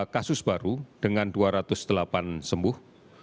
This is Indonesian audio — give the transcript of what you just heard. dua ratus delapan puluh satu kasus baru dengan dua ratus delapan sembuh